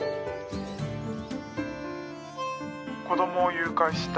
子どもを誘拐した。